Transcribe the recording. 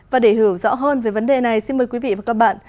và để hiểu rõ hơn về vấn đề này xin mời quý vị và các bạn